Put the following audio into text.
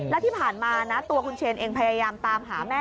และที่ผ่านมานะตัวคุณเชนเองพยายามตามหาแม่